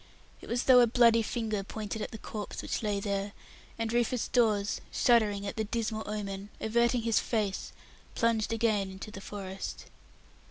It was as though a bloody finger pointed at the corpse which lay there, and Rufus Dawes, shuddering at the dismal omen, averting his face, plunged again into the forest.